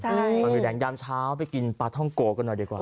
ปลาหมูแดงยามเช้าไปกินปลาท่องโกกันหน่อยดีกว่า